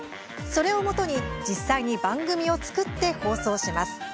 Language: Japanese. それをもとに実際に番組を作って放送します。